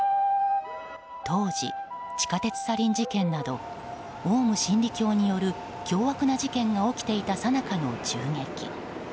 当時、地下鉄サリン事件などオウム真理教による凶悪な事件が起きていたさなかの銃撃。